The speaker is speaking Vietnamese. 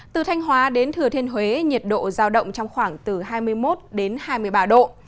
từ thanh hóa đến thừa thiên huế nhiệt độ giao động trong khoảng từ hai mươi một đến hai mươi ba độ